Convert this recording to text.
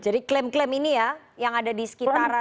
jadi klaim klaim ini ya yang ada di sekitaran presiden ya